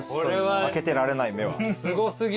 開けてられない目は。